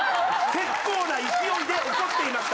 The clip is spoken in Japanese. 「結構な勢いで怒っていました」。